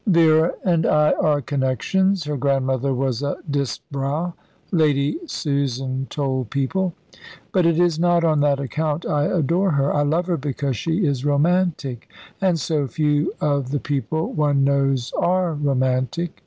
"Vera and I are connections. Her grandmother was a Disbrowe," Lady Susan told people. "But it is not on that account I adore her. I love her because she is romantic; and so few of the people one knows are romantic."